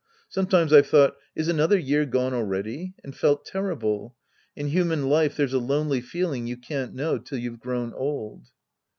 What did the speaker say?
Sometimes I've thought, " Is another year gone already ?" and felt terrible. In human life tliere's a lonely feeling you can't know till you've grown old.